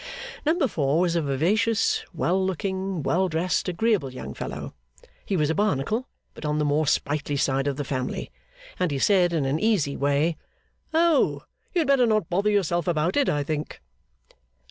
Number four was a vivacious, well looking, well dressed, agreeable young fellow he was a Barnacle, but on the more sprightly side of the family and he said in an easy way, 'Oh! you had better not bother yourself about it, I think.